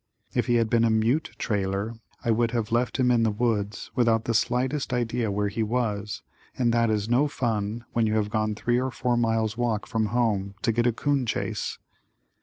If he had been a mute trailer I would have left him in the woods without the slightest idea where he was and that is no fun when you have gone three or four miles walk from home to get a 'coon chase.